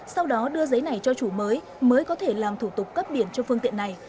sau đó đưa giấy này cho chủ mới mới có thể làm thủ tục cấp biển cho phương tiện này